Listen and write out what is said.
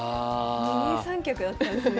二人三脚だったんですね